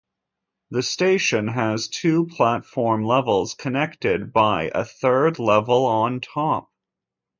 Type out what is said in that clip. The station has two platform levels connected by a third level on top.